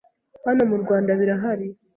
hano mu Rwanda birahari